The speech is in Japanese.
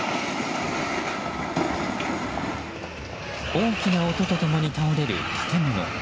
大きな音と共に倒れる建物。